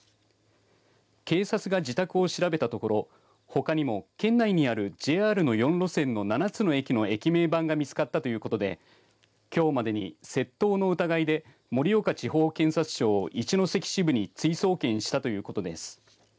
警察が自宅を調べたところほかにも県内にあるＪＲの４路線の７つの駅の駅名板が見つかったということできょうまでに窃盗の疑いで盛岡地方検察庁一関支部に追送検したということです。